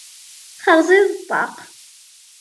Terẓiḍ ṭṭaq.